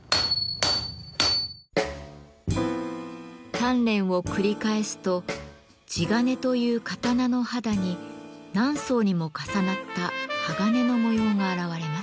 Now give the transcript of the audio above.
鍛錬を繰り返すと地鉄という刀の肌に何層にも重なった鋼の模様が現れます。